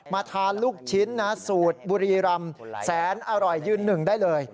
ทานลูกชิ้นนะสูตรบุรีรำแสนอร่อยยืนหนึ่งได้เลย